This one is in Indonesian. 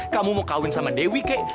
kamu mau kawin sama dewi kek